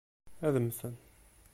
Ad mmten.